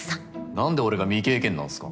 何で俺が未経験なんすか？